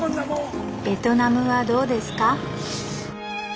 「ベトナムはどうですか？